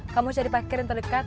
kamu cari parkir yang terdekat